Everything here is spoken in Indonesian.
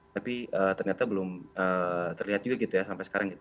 tapi ternyata belum terlihat juga sampai sekarang